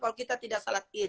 kalau kita tidak sholat it